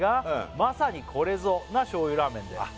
「まさにこれぞな醤油ラーメンで」